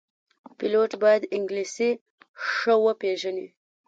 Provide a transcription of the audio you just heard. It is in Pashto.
پیلوټ باید انګلیسي ښه وپېژني.